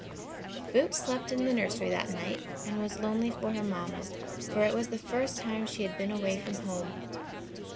Boots slept in the nursery that night and was lonely for her Mamma, for it was the first time she had been away from home.